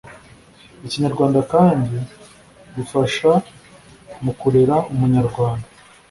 Ikinyarwanda kandi bifasha mu kurera Umunyarwanda